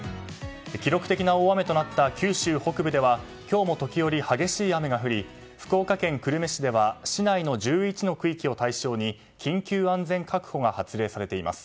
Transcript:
記録的な大雨となった九州北部では今日も時折激しい雨が降り福岡県久留米市では市内の１１の区域を対象に緊急安全確保が発令されています。